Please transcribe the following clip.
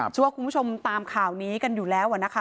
เชื่อว่าคุณผู้ชมตามข่าวนี้กันอยู่แล้วนะคะ